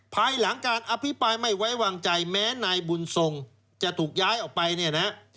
ภายหลังการอภิปรายไม่ไว้วางใจแม้นายบุญทรงจะถูกย้ายออกไปเนี่ยนะฮะ